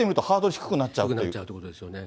低くなっちゃうということですよね。